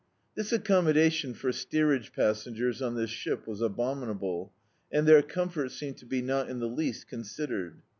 The accommodation for steerage passoigers on this ship was abominable, and their comfort seemed to be not in the least ccmsidered.